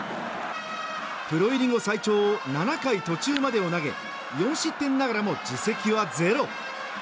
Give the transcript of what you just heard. プロ入り後最長７回途中まで投げ４失点ながらも自責は０。